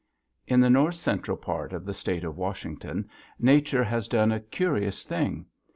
In the north central part of the State of Washington, Nature has done a curious thing.